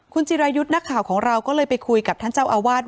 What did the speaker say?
คุณจิรายุทธ์นักข่าวของเราก็เลยไปคุยกับท่านเจ้าอาวาส